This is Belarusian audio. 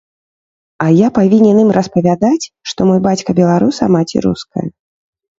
А я павінен ім распавядаць, што мой бацька беларус, а маці руская.